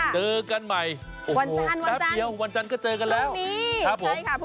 เจอกันใหม่วันจันครรภ์